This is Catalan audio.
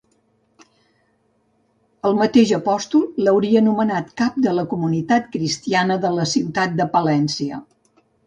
El mateix apòstol l'hauria nomenat cap de la comunitat cristiana de la ciutat de Palència.